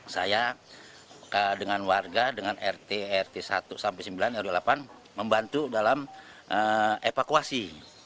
saya dengan warga dengan rt rt satu sampai sembilan rw delapan membantu dalam evakuasi